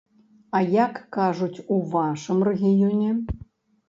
А як кажуць у вашым рэгіёне?